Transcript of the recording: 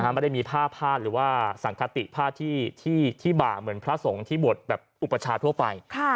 ไม่ได้มีผ้าพาดหรือว่าสังคติผ้าที่บ่าเหมือนพระสงฆ์ที่บวชแบบอุปชาทั่วไป